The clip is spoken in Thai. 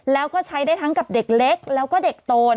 แล้วก็ใช้ได้ทั้งกับเด็กเล็กแล้วก็เด็กโต